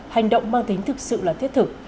hành động mang tính thực sự là thiết thực